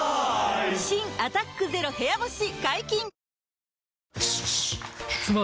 新「アタックＺＥＲＯ部屋干し」解禁‼